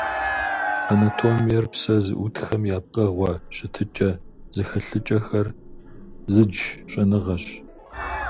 Анатомиер - псэ зыӏутхэм я пкъыгъуэ щытыкӏэ-зэхэлъыкӏэхэр зыдж щӏэныгъэщ.